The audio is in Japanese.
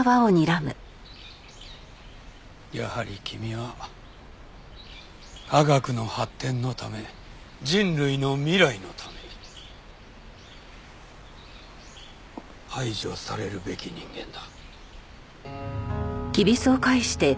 やはり君は科学の発展のため人類の未来のため排除されるべき人間だ。